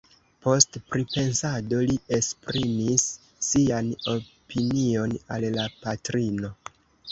Post pripensado li esprimis sian opinion al la patrino.